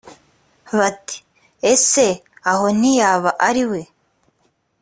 bati “ese aho ntiyaba ari we…”